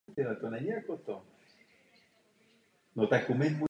Na rozdíl od svého mladšího bratra Petra Voka se Vilém nikdy nestal předmětem legendy.